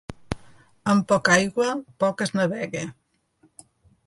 Amb poca aigua, poc es navega.